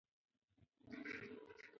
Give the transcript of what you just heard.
دا کيسه د یوې غریبې ښځې په اړه ده.